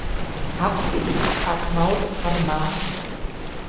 აფსიდი საკმაოდ ღრმაა.